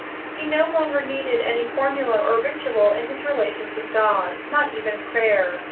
He no longer needed any formula or ritual in his relations with God—not even prayer.